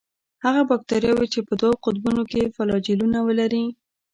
هغه باکتریاوې چې په دوو قطبونو کې فلاجیلونه ولري.